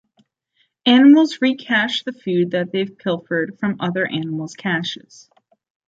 Animals recache the food that they've pilfered from other animal's caches.